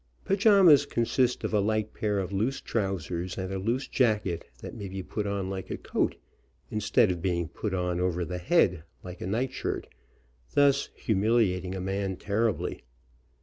Pajamas consist of a light pair of loose trousers and a loose jacket that may be put on like a coat, instead of being put on over the head like a dress skirt, thus humiliating a man terribly.